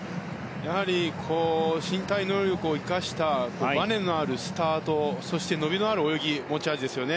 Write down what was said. やはり身体能力を生かしたばねのあるスタートそして伸びのある泳ぎが持ち味です。